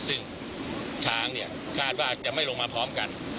ซึ่งช้างเนี่ยคาดว่าจะไม่ลงมาพร้อมกัน